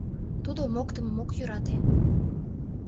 Тудо моктымым ок йӧрате.